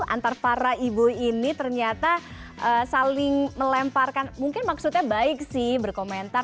antara para ibu ini ternyata saling melemparkan mungkin maksudnya baik sih berkomentar